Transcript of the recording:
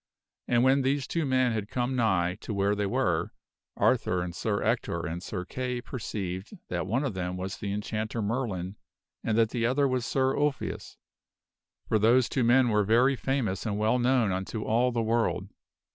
And when these two men had come nigh to where they were, Arthur and Sir Ector and Sir Kay preceived that one of them was the Enchanter Merlin and that the other was Sir Ulfius for those two men were very , i Merlin and Sir famous and well known unto all the world.